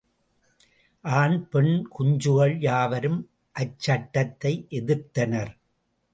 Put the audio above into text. ஆண், பெண், குஞ்சுகள் யாவரும் அச்சட்டத்தை எதிர்த்தனர்.